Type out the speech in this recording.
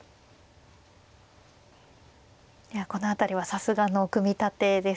この辺りはさすがの組み立てですね。